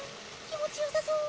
気もちよさそう。